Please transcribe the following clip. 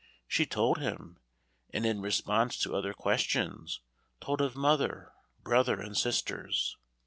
She told him, and in response to other questions, told of mother, brother and sisters.